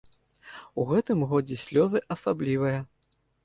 У гэтым годзе слёзы асаблівыя.